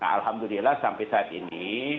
alhamdulillah sampai saat ini